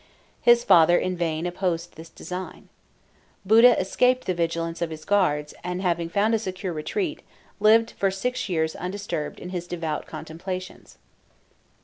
His father in vain opposed this design. Buddha escaped the vigilance of his guards, and having found a secure retreat, lived for six years undisturbed in his devout contemplations.